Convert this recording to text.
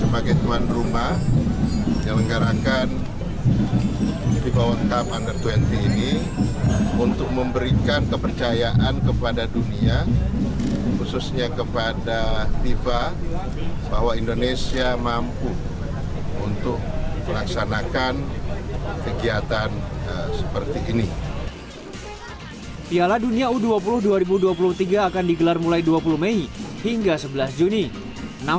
piala dunia u dua puluh dua ribu dua puluh tiga akan digelar mulai dua puluh mei hingga sebelas juni